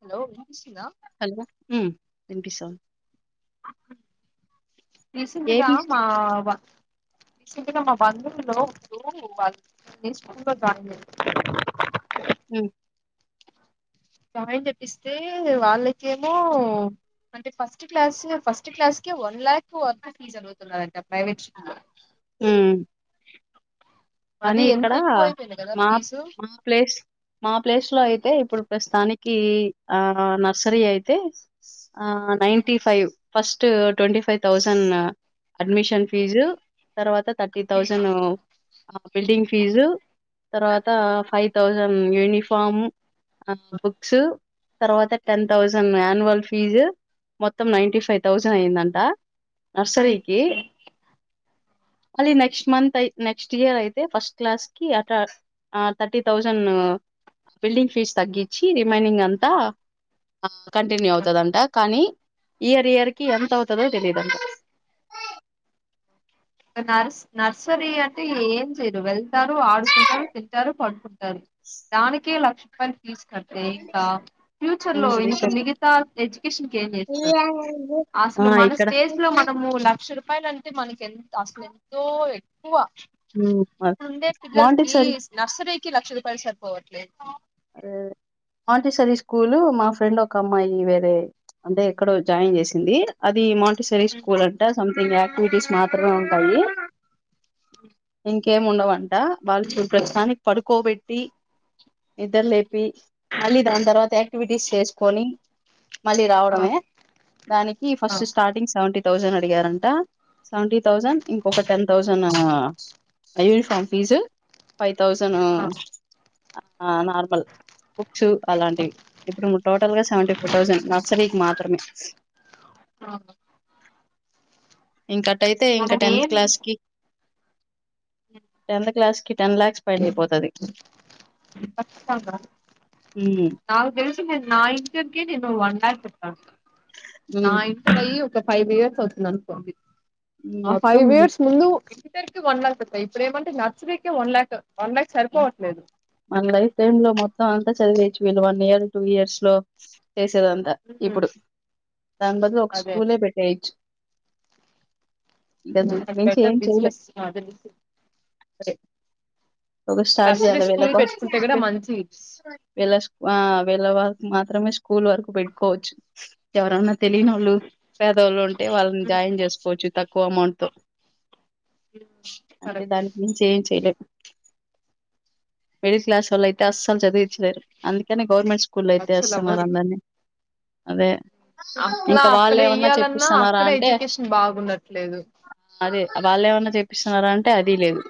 Hello వినిపిస్తుందా hello ఉమ్ వినిపిస్తుంది రీసెంట్ గా ఏబీసీ మా ఇక్కడ మా బంధువుల్లో ఒకరు వాళ్ళు మీ స్కూల్ లో జాయిన్ జే ఉమ్ జాయిన్ చేపిస్తే వాళ్లకి ఏమో అంటే ఫస్ట్ క్లాస్ ఫస్ట్ క్లాస్ కి వన్ ల్యాక్ వరకు ఫీజ్ అడుగుతున్నరంట ప్రైవేట్ స్కూల్ లో హ్మ్ ఎఓ కానీ ఇక్కడా మా ఫీజు మా ప్లేస్ మా ప్లేస్లో అయితే ఇప్పుడు ప్రస్తానికీ కీ ఆ నర్సరీ అయితే ఆ ninety five first twenty five థౌజంన్న అడ్మిషన్ ఫీజు తర్వాత థర్టీ థౌసంనూ బిల్డింగ్ ఫీజు తర్వాతా ఫైవ్ థౌస్సన్ యూనిఫామ్ హా బుక్స్ తర్వాత టెన్ థౌసండ్ యాన్వల్ ఫీజు మొత్తం నైంటీ ఫైవ్ థౌసంన్నైందంటా అయితే మళ్ళీ నెక్స్ట్ మంతై ఐ నెక్స్ట్ ఇయర్ ఐ తే ఫస్ట్ క్లాస్కీ య ట ఆ థర్టీ థౌసంన్ బిల్డింగ్ ఫీజు తగ్గించి రిమైనింగ్ అంతా ఆ కంటిన్యూ అవుతదంట కానీ ఇయరియర్కి ఎంతవుతదో తెలీదంట నర్స్ నర్సరీ అంటే ఏం చేయరు వెళ్తారు ఆడుకుంటారు తింటారు పడుకుంటారూ దానికే లక్ష రూపాయలు ఫీజు కట్ ఏంకా ఫ్యూచర్లో ఉమ్ ఇంక ఇక్కడ మిగతా ఎడ్యుకేషన్కీ ఏం చేస్తరో ఆ అస్సలు మన ఇక్కడ స్టేజ్లో మనము లక్ష రూపాయలంటే మనకెంత అస్లెంతో ఎ కువా ఉమ్ ఇప్పుడుండే పిల్లల్కీ మాంటిసరీ స్ నర్సరీకి లక్ష రూపాయలు సరిపోవట్లేదు ఎవరూ మాంటిసెరీ స్కూల్ మా ఫ్రెండ్ ఒక అమ్మాయి వేరే అంటే ఎక్కడో జాయిన్ చేసింది అది మాం టిసరీ స్కూలంటా సంతింగ్ యాక్టివిటీస్ మాత్రమే ఉంటాయి ఇంకేం ఉండవంట వాళ్ళు చూ ప్రస్తుతనికీ పడుకోబెట్టి నిద్దర్లేపీ మళ్ళీ దాంతర్వాత యాక్టివిటీస్ చేస్కోనీ మళ్ళీ ఆ రావడమే దానికి ఆ ఫస్ట్ స్టార్టింగ్ సెవెంటీ థౌసండ్ అడిగారంట సెవంటీ థౌసంన్ ఇంకొక ten thousand uniform fee five thousand ఆ ఆ నార్మల్ షూ అలాంటివి ఇప్పుడు టోటల్ గా సెవెంటీ ఫోర్ థౌసండ్ నర్సరీకి మాత్రమే హా ఇంకటైతే ఇంకా టెన్త్ తీసు క్లాస్కీ టెన్త్ క్లాస్కీ టెన్ లాక్స్ పైనైపోతదీ ఖచ్చిత్తంగా హ్మ్ టిమెన్ నా ఇంటర్కే నేను వన్ ల్యాక్ పెట్టాను నా ఇంటర్ అయ్యి ఒక ఫైవ్ ఇయర్స్ అవుతుందానుకోండి ఆ మొత్తం ఫైవ్ ఇయర్స్ ముందు ఇంటర్కీ వన్ లాక్ ఇప్పుడేమంటే నర్సీకే వన్ ల్యాక్ వన్ ల్యాక్ ఆ సరిపోవట్లేదు మన లైఫ్ టైమ్ లో మొత్తం అంతా చదివేచ్చు వీళ్ళు వన్ ఇయర్ టూ ఇయర్స్లో చేసేదంతా ఇప్పుడు దాని బదుల ఒక అదే స్కూలే పెట్టేయచ్చు ఇందక్ అది బెటర్ మించేం చేలే బిజినెస్ అదే బిజినెస్ సరే ఒక స్టార్ట్ నర్సరీ చేయ్యాలే స్కూల్ వీళ్ళకూ పెట్టుకుంటే కూడా వీల్ మంచి వీళ్ళా స్కూ ఆ వీళ్ళ వాళ్ళకూ మా త్రమే స్కూల్ వరకు పెట్కోచ్చూ ఎవరన్నా తెలీనోళ్ళు పేదోవాళ్ళుంటే వాల్నీ జాయిన్ చేస్కోచ్చు తక్కువెమౌంట్ తో స్టేనా అంతే దానిక్మించేం చేయలేం మిడిల్ క్లాసోల్లైతే అస్సలు చద్వించ్లేరూ అందుకనే గవర్నమెంట్ స్కూ అస్సలు అవ్వదు కులైతేస్తున్నారందర్ని అదే అట్లా ఇంకా వాళ్ళు ఏమన్నా అక్కడెయ్యాలన్నా చెప్పిస్తున్నారా అంటే అక్కడెడ్యుకేషన్ బాగుండట్లేదు అదే వాళ్ళమన్నా చేపిస్తున్నారా అంటే అది లేదు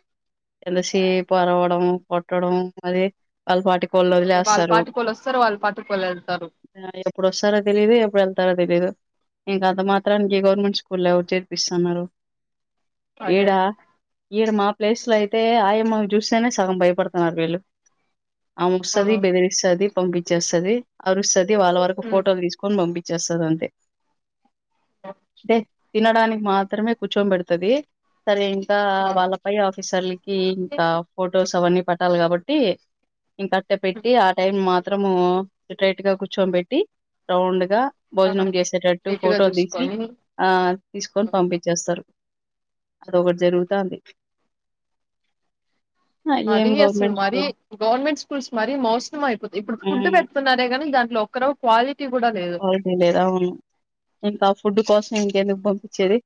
ఎంత సేపు అరవడం కొట్టడం అదే వాళ్లపాటికి పోల్ అదే వాళ్ళ ఒదిలేస్తారు పాటికి వాళ్ళు వస్తారు వాళ్ళ పాటికి వాళ్ళు వెళ్తారు ఆ ఎప్పుడొస్తారో తెలియదు ఎప్పుడు వెళ్తారో తెలియదు ఇంకా అంత మాత్రానికి ఈ గవర్నమెంట్ స్కూల్ ఎవరు చేర్పిస్తన్నారు అదే ఈడ ఈడ మా ప్లేస్ లో అయితే ఆయమ్మ చూస్తేనే సగం భయపడుతున్నారు వీళ్ళు ఆ మొస్తది బెదిరిస్తది పంపించేస్తుది అరుస్తది వాళ్ళ వరకు ఉమ్ ఫోటోలు తీసుకొని పంపించేస్తుది అంతే టే తినడానికి మాత్రమే కూర్చోం పెడుతుంది తాను ఇంకా ఆ వాళ్ళపై ఆఫీసర్లకి ఇంకా ఫొటోస్ అవన్నీ పట్టాలి కాబట్టి ఇంకట్టే పెట్టి ఆ టైం మాత్రం మాత్రము సిట్రైట్ గా కూర్చోబెట్టి రౌండ్ గా ఆ భోజనం చేసేటట్టు నీట్గా ఫోటోలు తీసి చూసుకొని ఆ ఆ, తీసుకొని పంపించేస్తారు అదొకటి జరుగుతది ఏం అది అసలు గవర్నమెంట్ మరీ స్కూల్ గవర్నమెంట్ స్కూల్స్ మరీ మోసమం అయిపోతుయి ఇప్పుడు ఫుడ్ మ్మ్ పెడుతున్నారే కానీ దాంట్లో ఇక్కడ ఒక కాల్ క్వాలిటీ లేదు అవును ఇంకా ఫుడ్ కోసం ఇంకెందుకు పంపించేది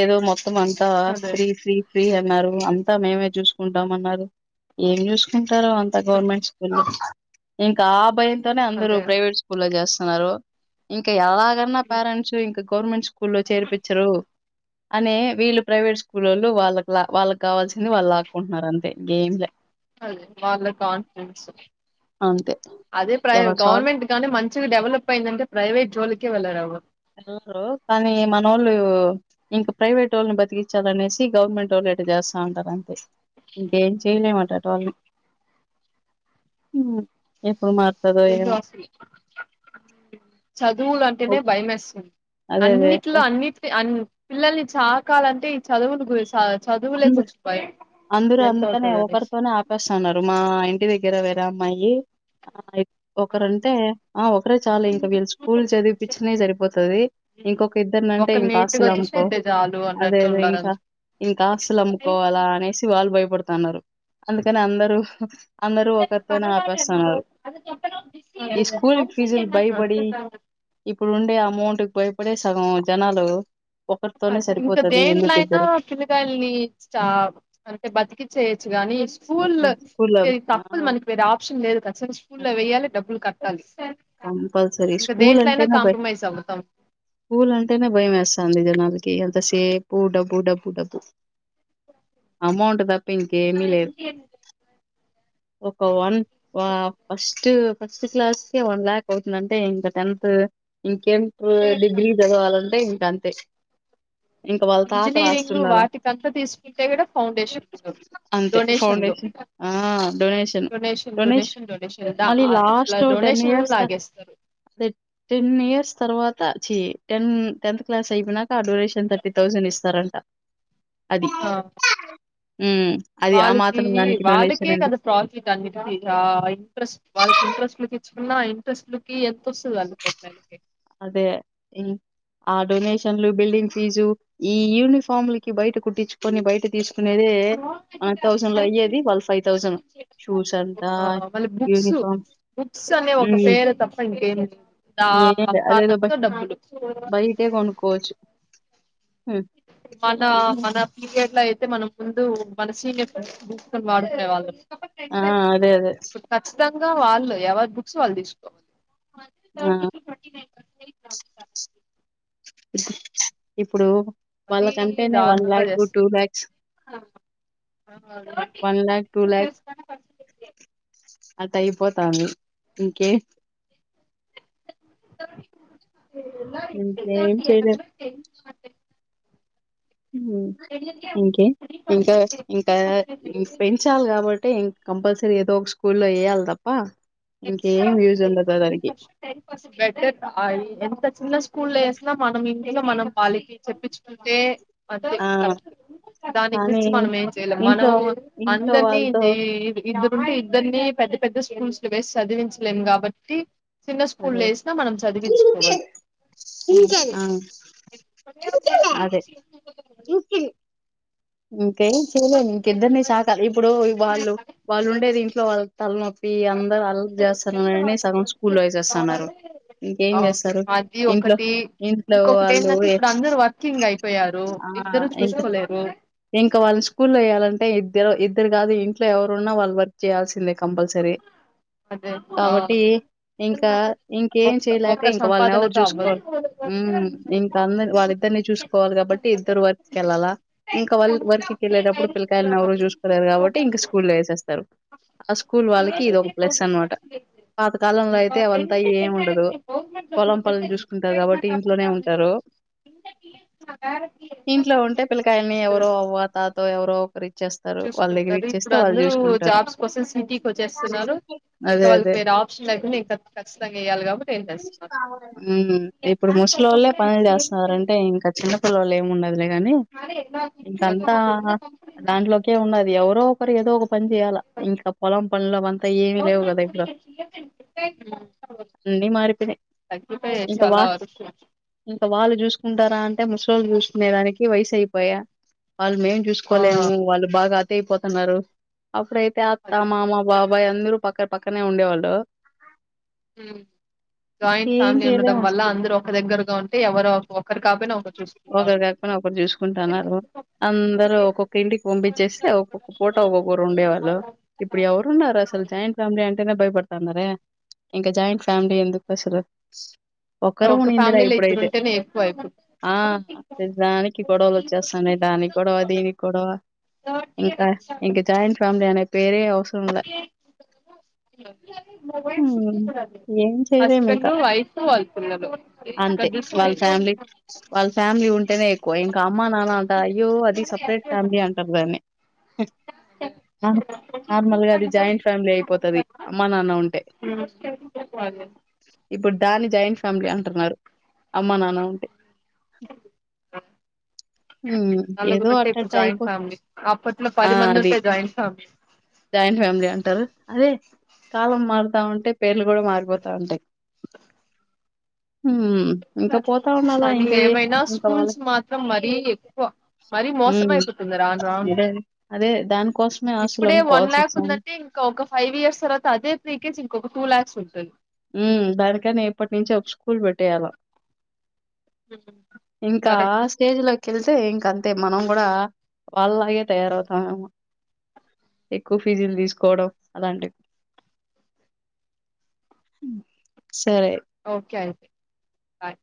ఏదో మొత్తం మొత్తం అంతా అదే ఫ్రీ ఫ్రీ ఫ్రీ అన్నారు అంత మొత్తం మేమే చూసుకుంటాం అన్నారు ఏం చూసుకుంటారో అంత ఉమ్, గవర్నమెంట్ స్కూల్ లో ఇంకా ఆ భయంతోనే అందరు అదే ప్రైవేట్ స్కూల్లో చేస్తున్నారు ఇంకా ఎలా ఈ తారాంశు ఇంకా గవర్నమెంట్ స్కూల్లో లో చేర్పించరు అనే వీళ్ళు ప్రైవేట్ స్కూల్లోలు వాళ్ళ క్లా వాళ్ళ కి కావాల్సింది వాళ్ళు లాక్కుంటున్నారు అంతే ఇంకేం లే అదే వాళ్లకు కాన్ఫరెన్స్ అంతే. అదే ప్రై ఎవరి సార్లు గవర్నమెంట్ గానీ మంచిగా డెవలప్ అయిందంటే ప్రైవేట్ జోలికే వెళ్లారు ఎవరు మనోళ్లు కానీ మన వాళ్ళు ఇంకా ప్రైవేట్ వాళ్ళని బతికిచ్చా అనేసి గవర్నమెంట్ వోళ్ళు అంట చేస్తా ఉంటారు అంతే ఇంకా ఎం చేయలేం అట అట వాళ్లని మ్ ఇప్పుడు మా ఈ గ్లాస్ ని చదువులు అంటేనే ఓప్ భయమేస్తుంది అదే అదే. అన్నిట్లో అన్నింటి అం పిల్లల్ని చాకాలంటే ఈ చదువులు గుస అందు అందరు అందుకనే అవుతది అనేసి ఒకరితోనే ఆపేస్తున్నారు మా ఇంటి దగ్గర వేరే వేరే అమ్మాయి ఆ ఆ ఒకరుంటే ఆ ఒకరే చాలు ఇంక వీళ్ళు స్కూల్ చదిపించిన సరిపోతుది ఇంకొక ఈ ఇద్దరింటే ఒకరు ఇంకా నేర్పితే ఆస్తులు అమ్ముకో చాలు అదే అన్నట్టు అదే ఉండారు ఇహ అందరు ఈ ఆశలు అమ్ముకోవాలా అనేసి వాళ్ళు భయపడుతున్నారు అందుకనే అందరూ అందరూ ఒకరితోనే ఆపేస్తున్నారు ఈ స్కూల్ ఫీజులు భయపడి ఇప్పుడు ఉండే అమౌంట్ భయపడే సగం జనాలు అ ఒకరితోనే ఇంకా సరిపోతది దేంట్లో ఎందుకిద్దరు. అయిన తల్లి స్టోబ్ అంతే బతికి చేేయొచ్చు గాని స్కూల్లో హ్మ్. స్కూల్‌లో ఏ ఆ! తప్పులు మనకి వేరే ఆప్షన్ లేదు ఖచ్చితంగా స్కూల్ లో వెయాలి డబ్బులు కట్టాలి కంపల్సరీ ఇంకా స్కూల్ దేంట్లో అయినా అంటేనా బయ కాంప్రమైజ్ అవుతాం స్కూల్ అంటేనే భయం వేస్తుంది జనాలకి ఎంత సేపు డబ్బు డబ్బు డబ్బు అమౌంట్ తప్ప ఇంక ఏమీ లేదు ఒక వన్ అ ఫస్ట్ ఫస్ట్ క్లాస్ మ్ వన్ ల్యాక్ అవుతుందంటే ఇంగ టెన్త్ ఇంకేంట్రా డిగ్రీ చదవాలంటే గంతే ఇంకా వాళ్ళ తాతలా ఇంజనీరింగ్ ఆస్తుండాలా వాటికంతా తీసుకుంటే కూడా ఫౌండేషన్ ఉండదు అంతే డొనేషన్లు ఫౌండేషన్ ఆ డొనేషన్ డొనేషన్ డొనేషన్ దా మళ్ళీ ఇట్లా లాస్ట్ టెన్ని టెన్ డొనేషన్లు ఇయర్స త లాగేస్తారు టెన్ ఇయర్స్ తర్వాత చి టెన్ టెన్త్ క్లాస్ అయిపోయినాక ఆ డొనేషన్ తాటి థౌసన్ ఇస్తారంట అది ఆ ఉమ్ అది ఆ వాళ్ళకి మాత్రం దానికి వాళ్ళకే డొనేషన్ అండి కదా ప్రాఫిట్ అన్నిటికి గా ఇంట్రెస్ట్ వాళ్ళకి ఇంట్రెస్ట్ లోకి చిన్న ఇంట్రెస్ట్ లకి ఎంత వస్తుంది అళ్ళ ప్రొఫైల్ కి అదే ఉం ఆ డొనేషన్ లు బిల్డింగ్ ఫీజు ఈ యూనిఫామ్లకి బయట కుట్టించుకొని బయట తీసుకు కునేదే ఆ థౌసండ్ లో అయ్యేది వాళ్ళు ఫైవ్ థౌసండ్ షూస్ అంతా ఆ మళ్ళీ బుక్స్ యూనిఫార్మ్ బుక్స్ అనే ఒక పేరు తప్ప ఇంకేం దా ఏం అ లే అదేదో ఫనక్ బ తో డబ్బులు బయటే కొనుక్కోవచ్చు హ్మ్ మనా మన పీరియడ్ లో అయితే మనం ముందు మన సీనియర్ వాడుకూనే వాళ్ళం ఆ అదే అదే నిజంగా వాళ్ళు ఎవరి బుక్స్ వాళ్ళు తీసుకో ఆ ఇప్పుడు మరీ వాళ్ళకంటేనే వన్ దారుణంగా లాఖు చేస్తారు టూ ల్యాక్స్ చేసిన వన్ ల్యాక్ టూ ల్యాక్ అట్ట అయిపోతాంది ఇంకే ఇంకేం చేయలేం ఉమ్ ఇంకా ఇంకా పెంచాలి కాబట్టి ఇం కంపల్సరీ ఏదో స్కూల్లో ఏయ్యాలి తప్ప ఇంకేం యూజ్ ఉండదు దానికి బెటర్ ఆ ఎంత చిన్న స్కూల్ ఎస్ మనం ఇంట్లో మనం వాళ్లకి చెప్పించుకుంటే ఆ దాని కానీ గురించి మనం ఏం చేయలేం ఇంట్లో మనము ఇంట్లో అందరినీ వాళ్ళతో ఈ ఇద్ద రుంటే ఇద్దరిని పెద్ద పెద్ద స్కూల్స్ లో వేసి చదివించలేము కాబట్టి చిన్న స్కూల్లో అదే ఏసినా మనం చదివించుకోవాలి ఆ! అదే ఇంకేం చేయలేము ఇంక ఇద్దరినీ చాక ఇప్పుడు వాళ్ళు వాళ్ళు ఉండేది ఇంట్లో వాళ్ళ తలనొ ప్పి అందరు అల్లరి చేస్తన్నారని సగం స్కూల్లో వేసేస్తన్నారు ఇంకేం అవును జేస్తారు అది ఇంట్లో ఒకటి ఇంట్లో ఇంకొకటి వాళ్ళు ఏంటంటే ఏ ఇప్పుడు అందరు వర్కింగ్ అయిపోయారు ఆ ఇద్దరు ఇంక ఇంకా వాళ్ళని స్కూల్లో వేయాలంటే ఇద్దరు ఇద్దరు గాదు ఇంట్లో ఎవరున్నా వాళ్ళు వర్క్ చేయాల్సిందే కంపల్సరీ చూసిన కాబట్టి ఇంకా ఇంకేం చేయలేక ఇంకా వాళ్ళని ఎవరు ఉపాదనతో చూసుకోరు ఉమ్ ఇంకా అంద వాళ్ళిద్దరిని చూసుకోవాలి కాబట్టి ఇద్దరు వర్క్ ఏళ్ళాలా ఇంకా వాళ్ వర్క్కి వెళ్ళటప్పుడు పిల్లకాయలను ఎవరు చూసుకోలేరు కాబట్టి ఇంక స్కూల్ల్లో ఏసేస్తారు ఆ స్కూల్ వాళ్ళకి ఇది ఒక ప్లస్ అనమాట పాతకాలంలో అయితే అవంతా ఏమి ఉండదు పొలం పన్లు చూసుకుంటారు కాబ టి ఇంట్లోనే ఉంటారు ఇంట్లో ఉంటే పిల్ల కాయనీ ఎవరో అవ్వో తాతో ఎవరో ఒకరి చూసుకుంటారు ఇప్పుడు అందరూ జాబ్స్ కోసం సిటీకి వచ్చేస్తున్నారు ఇంకా అదే వాళ్ళకి అదే వేరే ఆప్షన్ లేకుండా ఇంకా కచ్చితంగా చేయాలి కాబట్టి ఏం చేస్తున్నారు ఉ ఇప్పుడు ముసలొల్లే పనులు చేస్తూన్నారంటే ఇం క చిన్న పిల్లలు ఏం ఉండాది లే గానీ ఇంక అంతా దాంట్లోకే ఉన్నది ఎవరో ఒకరు ఏదో ఒక పని జేయాలా ఇంకా పొలం పన్లు అవంతా ఏమీలేవు గాద ఇప్పుడు అన్నీ మారిపోయినయ్ అయిపోయాయి చాలా వరికి ఇంకా వాళ్ళు జూసుకుంటారా అంటే ముసలోళ్ళు జూసుకునే దానికి వయసు అయిపయా వాళ్ళు మేం ఆ చూసుకోలేము వాళ్ళు బాగా అతైపోతన్నారు అప్పుడైతే అత్త అదే మామ బా బ్బయి అందరూ పక్కన పక్కనే ఉండేవాళ్ళు మ్ జాయింట్ ఇంకేం ఫ్యామిలీ ఉండడం చేయలేము వల్ల అందరు ఒక దగ్గరగా ఉంటే ఎవరు ఒకరు కాపోయినా ఒకరు చూసుకుంటా ఉం ఒకరు కాకపోయినా ఒకరు చూసుకుంటాన్నారు అందరు ఒక్కొక్క ఇంటికి పంపిచ్చేసి ఒక్కొక్క పూట ఒక్కొక్కరు ఉండేవాళ్ ఇప్పుడు ఎవరున్నారు అసలు జాయింట్ ఫ్యామిలీ అంటేనే భయపడ్ తన్నరె ఇంకా జాయింట్ ఫ్యామిలీ ఎందుకసలు ఒక్కరు ఒక ఉన్నిందిలె ఫ్యామిలీలో ఇద్దరు ఇప్పుడైతె ఉంటేనే ఎక్కువ ఇప్పుడు ఆ ప్రతి దానికి గొడవలు వచ్చేస్తాన్నయ్ దానికి గొడవ దీనికి గొడవ ఇంకా ఇంక జాయింట్ ఫేమిలీ అనే పేరే అవస్ హ్మ్. ఏం చేయలేమింక. హస్బెండు వైఫ్ వాళ్ళ పిల్లలు ఎక్కడ అంతే చూసిన వాళ్ళ ఇవే ఫ్యామిలీ వాళ్ళ ఫ్యామిలీ ఉంటేనే ఎక్కువ ఇంకా అమ్మ నాన్న అంట అయ్యో అది సపరేట్ ఫ్యామిలీ అంటరు దాన్ని హ్మ్ అవును అవ్ నార్మల్గా అది జాయింట్ ఫ్యామిలీ అయిపోతది అమ్మా నాన్న ఉంటే అదే ఇప్పుడు దాన్ని జాయింట్ ఫ్యామిలీ అంటున్నారు అమ్మా నాన్న ఉంటే హ్మ్ ఏదో నలుగురు ఉంటే ఇప్పుడు అట్టట్ట జాయింట్ అయిపోత్ ఫ్యామిలీ అప్పట్లో పది మంది ఉంటే జాయింట్ ఫ్యామిలీ జాయింట్ ఫ్యామిలీ అంటారు కాలం మారుతా ఉంటే పేర్లు గూడ మారిపోతా ఉంటయ్ హ్మ్ ఇంకా పోతా ఉండాలా కానీ ఇంకా ఏ ఏమైనా ఇంకా స్కూల్స్ వాళ్ళకి మాత్రం మరీ ఎక్కువ మరీ మోసం హ్మ్ అయిపోతుంది రాను రాను అదే అదే దానికోసమే ఆస్తులు ఇప్పుడే వన్ అమ్ముకోవాల్సి ల్యాక్ వస్తాంది ఉందంటే ఇంక ఫైవ్ ఇయర్స్ తర్వాత అదే త్రీకెజ్ ఇంకొక టూ లాక్స్ ఉంటుంది మ్ దానికైన ఇప్పటి నుంచే ఒక స్కూల్ పెట్టేయాల ఇంకా ఆ కరెక్ట్ స్టేజ్లో కెళ్తే ఇంక అంతే మనం గూడా వాళ్ళలాగే తయారవుతామేమో ఎక్కువ ఫీజులు తీసుకోవడం అలాంటివి సరే ఓకే అయితె బాయ్